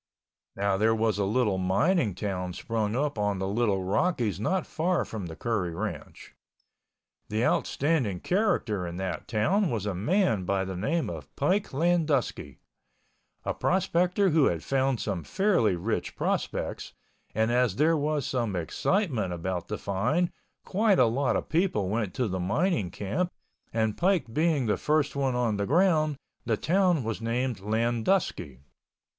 Now there was a little mining town sprung up in the Little Rockies not far from the Curry Ranch. The outstanding character in that town was a man by the name of Pike Landusky, a prospector who had found some fairly rich prospects, and as there was some excitement about the find quite a lot of people went to the mining camp and Pike being about the first one on the ground, the town was named Landusky.